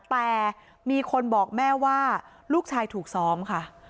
แต่มีคนบอกแม่ว่าลูกชายถูกซ้อมค่ะ